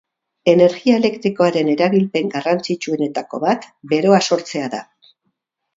Energia elektrikoaren erabilpen garrantzitsuenetako bat beroa sortzea da.